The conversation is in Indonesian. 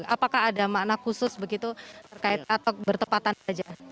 apakah ada makna khusus begitu terkait atau bertepatan saja